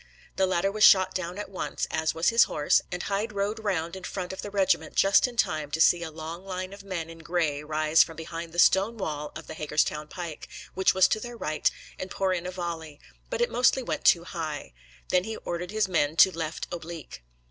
The latter was shot down at once, as was his horse, and Hyde rode round in front of the regiment just in time to see a long line of men in gray rise from behind the stone wall of the Hagerstown pike, which was to their right, and pour in a volley; but it mostly went too high. He then ordered his men to left oblique.